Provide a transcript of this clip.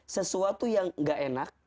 sesuatu yang gak enak